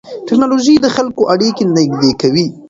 ټیکنالوژي د خلکو اړیکې نږدې کوي.